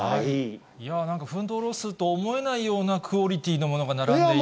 なんかフードロスと思えないようなクオリティーのものが並ん